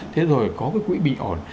thế rồi có cái quỹ bình ồn